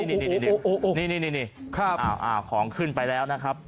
นี่ของขึ้นไปแล้วนะครับ